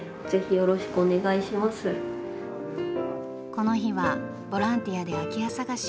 この日はボランティアで空き家探し。